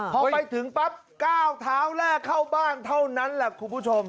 พอไปถึงปั๊บก้าวเท้าแรกเข้าบ้านเท่านั้นแหละคุณผู้ชม